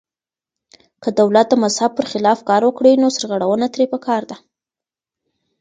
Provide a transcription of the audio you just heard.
که دولت د مذهب پر خلاف کار وکړي نو سرغړونه ترې پکار ده.